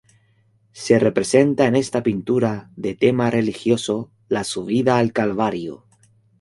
Se representa en esta pintura de tema religioso la "Subida al Calvario".